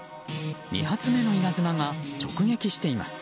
２発目の稲妻が直撃しています。